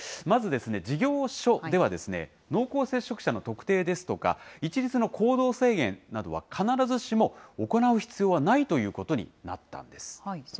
まず、事業所では、濃厚接触者の特定ですとか、一律の行動制限などは必ずしも行う必要はないということになったんです。